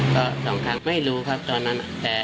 ก็สองครั้งไม่รู้ครับตอนนั้น